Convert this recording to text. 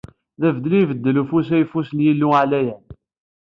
D abeddel i ibeddel ufus ayeffus n Yillu Ɛlayen!